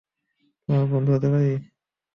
তোমার বন্ধু হতে পারি?